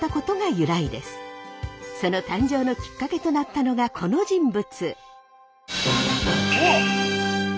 その誕生のきっかけとなったのがこの人物。